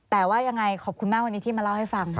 แต่ว่ายังไงขอบคุณมากวันนี้ที่มาเล่าให้ฟัง